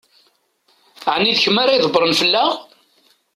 Ɛni d kemm ara ydebbṛen fell-aɣ?